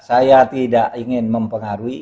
saya tidak ingin mempengaruhi